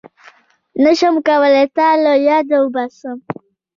نشم کولای تا له ياده وباسم